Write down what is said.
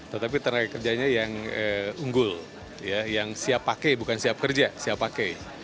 tetapi tenaga kerjanya yang unggul yang siap pakai bukan siap kerja siap pakai